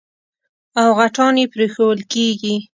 او غټان يې پرېښوول کېږي.